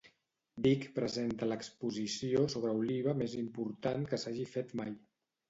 Vic presenta l'exposició sobre Oliba més important que s'hagi fet mai.